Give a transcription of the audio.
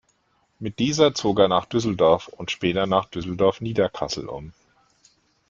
Mit dieser zog er nach Düsseldorf und später nach Düsseldorf-Niederkassel um.